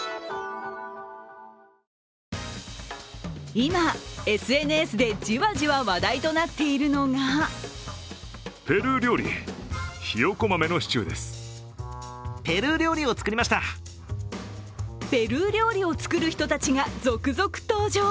今、ＳＮＳで、じわじわ話題となっているのがペルー料理を作る人たちが続々登場。